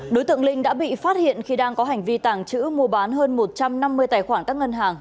đối tượng linh đã bị phát hiện khi đang có hành vi tàng trữ mua bán hơn một trăm năm mươi tài khoản các ngân hàng